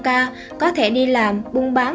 năm k có thể đi làm buôn bán